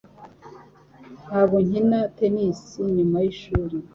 Ntabwo nkina tennis nyuma yishuri